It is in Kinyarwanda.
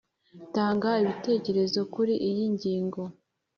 Tanga ibitekerezo kuri iyi ngingo